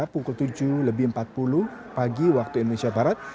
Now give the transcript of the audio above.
pukul tujuh lebih empat puluh pagi waktu indonesia barat